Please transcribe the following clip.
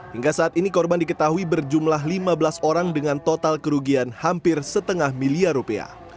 hingga saat ini korban diketahui berjumlah lima belas orang dengan total kerugian hampir setengah miliar rupiah